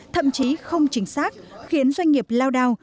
thậm chí không chính xác khiến doanh nghiệp lao đao